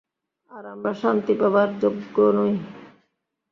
আর আমরা শাস্তি পাবার যোগ্য নই।